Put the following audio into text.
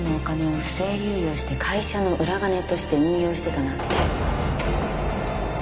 不正流用して会社の裏金として運用してたなんて